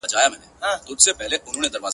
نسلونه تېرېږي بيا بيا تل,